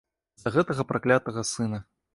З-за гэтага праклятага сына.